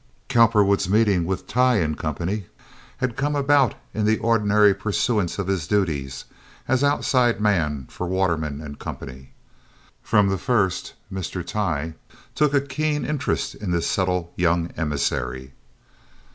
Cowperwood's meeting with Tighe & Company had come about in the ordinary pursuance of his duties as outside man for Waterman & Company. From the first Mr. Tighe took a keen interest in this subtle young emissary.